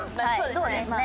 そうですね。